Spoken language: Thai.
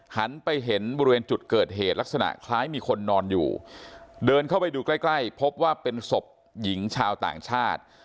หันไปเห็นบริเวณจุดเกิดเหตุลักษณะคล้ายมีคนนอนอยู่เดินเข้าไปดูใกล้ใกล้พบว่าเป็นศพหญิงชาวต่างชาติ